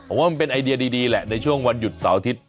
ผมว่ามันเป็นไอเดียดีแหละในช่วงวันหยุดเสาร์อาทิตย์